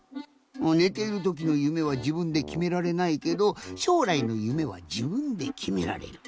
ねてるときの夢はじぶんできめられないけどしょうらいの夢はじぶんできめられる。